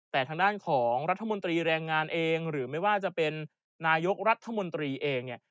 แต่ทางด้านของรัฐมนตรีแรงงานเองหรือไม่ว่าจะเป็นนายกรัฐมนตรีเองเนี่ย